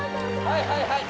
はいはいはい。